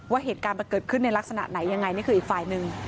ว่าเหตุการณ์มันเกิดขึ้นในลักษณะไหนยังไงนี่คืออีกฝ่ายหนึ่ง